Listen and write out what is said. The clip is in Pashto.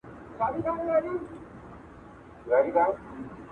چي غوږونو ته مي شرنګ د پایل راسي!.